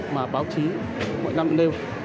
mà báo chí mọi năm đều